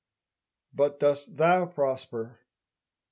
But dost thou prosper?